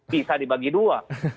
bisa dibagi dua